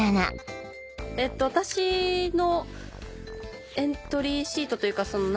私のエントリーシートというか。